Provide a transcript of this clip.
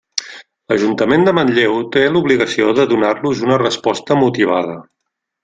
L'Ajuntament de Manlleu té l'obligació de donar-los una resposta motivada.